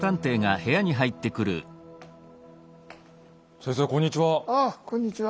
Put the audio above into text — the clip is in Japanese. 先生こんにちは。